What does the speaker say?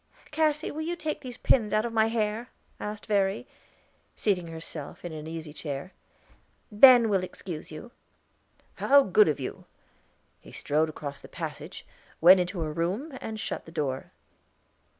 "Cassy, will you take these pins out of my hair?" asked Verry, seating herself in an easy chair. "Ben, we will excuse you." "How good of you." He strode across the passage, went into her room, and shut the door.